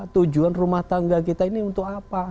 tujuan rumah tangga kita ini untuk apa